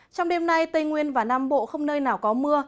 trong đêm nay tây nguyên và nam bộ không nơi nào có mưa